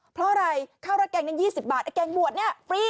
เพราะอะไรข้าวราดแกงนั้น๒๐บาทไอ้แกงบวชเนี่ยฟรี